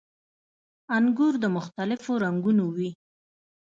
• انګور د مختلفو رنګونو وي.